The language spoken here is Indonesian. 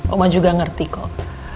oma juga ngerti kok